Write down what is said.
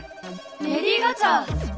レディー・ガチャ！